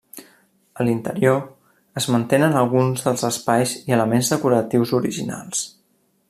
A l'interior es mantenen alguns dels espais i elements decoratius originals.